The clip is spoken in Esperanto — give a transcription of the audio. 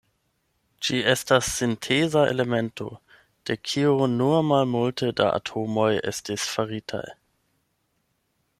Ĝi estas sinteza elemento, de kiu nur malmulte da atomoj estis faritaj.